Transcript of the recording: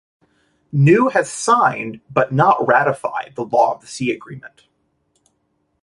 Niue has signed but not ratified the Law of the Sea agreement.